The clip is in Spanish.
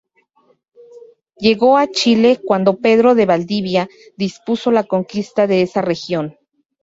Llegó a Chile cuando Pedro de Valdivia dispuso la conquista de esa región.